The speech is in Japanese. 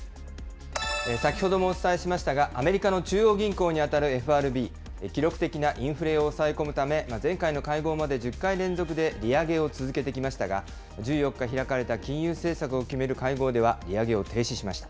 先ほどもお伝えしましたが、アメリカの中央銀行に当たるＦＲＢ、記録的なインフレを抑え込むため、前回の会合まで１０回連続で利上げを続けてきましたが、１４日開かれた金融政策を決める会合では、利上げを停止しました。